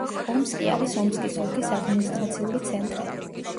ომსკი არის ომსკის ოლქის ადმინისტრაციული ცენტრი.